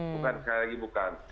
bukan sekali lagi bukan